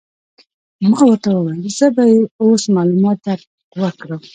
ما ورته وویل: زه به يې اوس معلومات در وکړم.